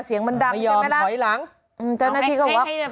เสียงมันดำใช่ไหมล่ะไม่ยอมขอให้หลังอืมเจ้าหน้าที่ก็บอกให้ให้ไปใหม่